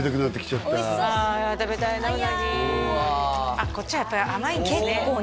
うなぎこっちはやっぱり甘いんですね